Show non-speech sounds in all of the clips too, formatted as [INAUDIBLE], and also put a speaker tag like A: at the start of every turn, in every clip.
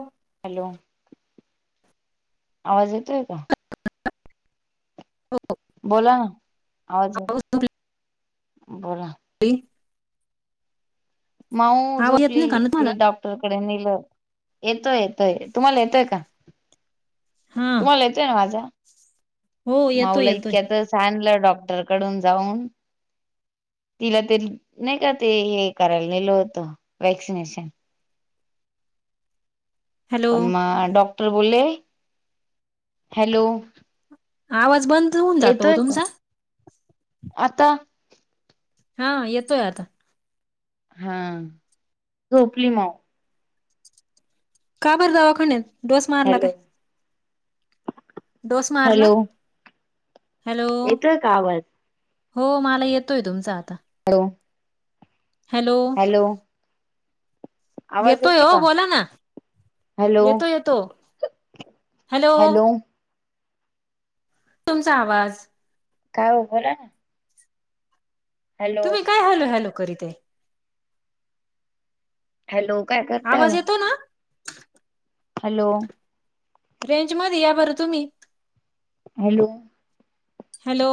A: हो
B: हॅलो
A: [UNINTELLIGIBLE]
B: आवाज येतोय का?
A: हो.
B: बोला ना आवाज बोला
A: [UNINTELLIGIBLE]
B: माऊ
A: आवाज येत
B: झोपली
A: नाही का ना तुम्हाला
B: तिला ताप डॉक्टर कडे नेलं येतोय येतोय तुम्हाला येतोय का?
A: हा
B: तुम्हाला येतोय ना माझ्या
A: हो येतोय
B: माऊला
A: येतोय.
B: इतक्यातचं आणलं डॉक्टरकडून जाऊन. तिला ते नाय का ते हे करायला नेलं होतं वॅक्सिनेशन.
A: हॅलो
B: पण म डॉक्टर बोलले हॅलो
A: आवाज बंद होऊन जातो ओ
B: येतोय का
A: तुमचा
B: आता
A: हा येतोय आता
B: हा झोपली माऊ -
A: का बर दवाखन्यात डोस मारला
B: हॅलो
A: काय? डोस मारला
B: हॅलो
A: हॅलो
B: येतोय का आवाज
A: हो मला येतोय तुमचा आता
B: हॅलो
A: हॅलो
B: आवाज
A: येतोय ओ
B: का
A: बोला ना
B: हॅलो
A: येतो येतो हॅलो तुमचा आवाज
B: का ओ बोला ना
A: तुम्ही काय हॅलो हॅलो करीताय
B: हॅलो काय करताय
A: आवाज
B: ओ
A: येतो ना
B: हॅलो
A: रेंज मध्ये या बरं तुम्ही
B: हॅलो
A: हॅलो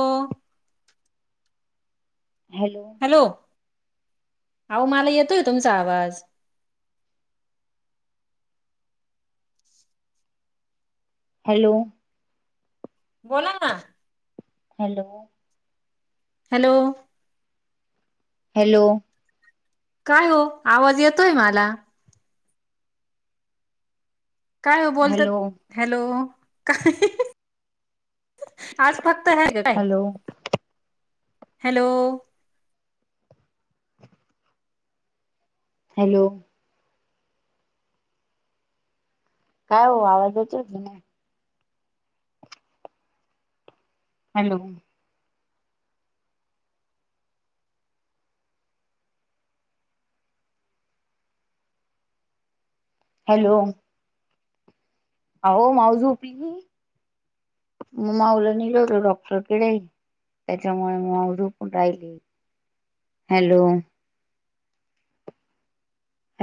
B: हॅलो
A: हॅलो अहो मलां येतोय तुमंचा आवांज
B: हॅलो
A: बोलां नां
B: हॅलो
A: हॅलो
B: हॅलो
A: कायं हो आवांज येतोय मलां कायं बोलतांत
B: हॅलो
A: हॅलो कायं आंज फक्तं हॉलो हां
B: हॅलो
A: हॅलो
B: हॅलो कायं हो आवांज येतं नाहीं हॅलो हॅलो अहो मांऊ झोपली मांऊलां नेल होतं डॉक्टरांकडे त्यांच्यामुळे मांऊ झोपू राहिली hello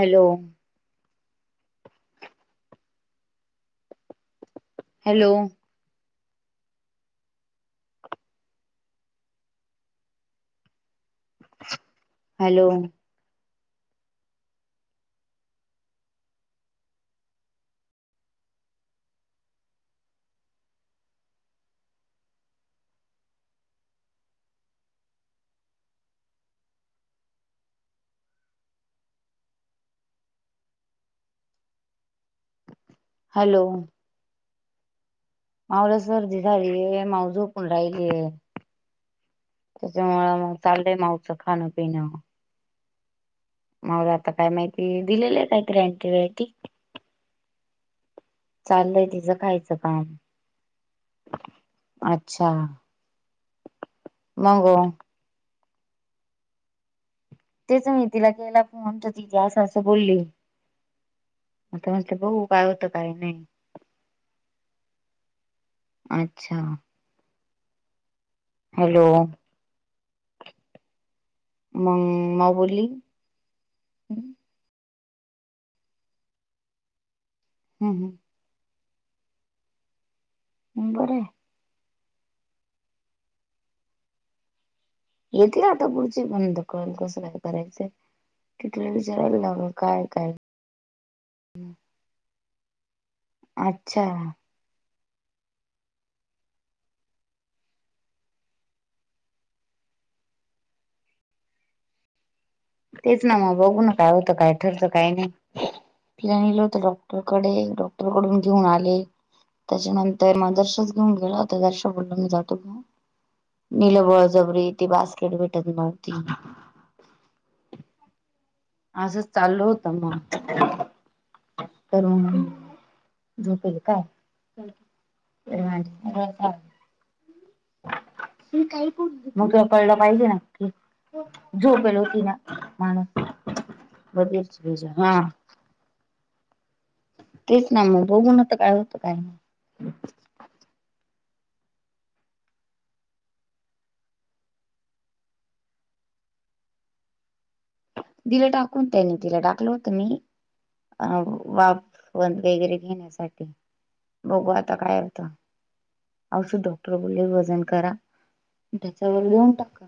B: hello hello hello hello मांऊला सर्दी झालीय मांऊ झोपून राहिली हे त्यांच्यामुळे मंग चाललंय मांऊचं खाणं पिणं मांऊलां आतां कायं माहिती दिलेले आहे कांहीं यॅटीबॉयटीक चाललंय तिचं खायचं कामं अच्छा मंगो तेचं मी तिलां केलां फोन तिथे असं असं बोलली आतां म्हंजे बघूं कायं होतं कांहीं नाहीं अच्छा हॅलो मंग मांऊ बोली हम्मं हं बरं आहे येते आतां पुढंची पणंत कल कसं कायं करायचं तिथल्यां विचरांयला लावलं मंग कायं कायं
A: ह [UNINTELLIGIBLE]
B: अच्छा तेचं नां मंग बघूं नां कायं होतं कायं ठरतं कायं नाहीं न्यांयल होतं डॉक्टरांकडे डॉक्टंर कडूंन घेऊंन आले त्यांच्यानंतर मदर्शचं घेऊंन गेले तरं दर्शचं बोलला मी जातो नेलबंयळजबरी ती बांस्केट भेटतं नव्हती असंच चालूं होतं मंग हॉलो मंग त्यांत कायं ते [UNINTELLIGIBLE] कांहीं नाहीं मंग झोपायला पाहिजे नां झोपेल होती नां माणसं बेचजां हां तेचं नां मंग बघूंन तरं कायं होतं कायं नाहीं तिलां टाकूंन त्यां तिलां टाकलं होतं मी अं वाफवंत वगैरें घेण्यांसाठी बघू आता काय होतं. औष डॉक्टर बोलले वजन करा त्याच्यावर देऊन टाका.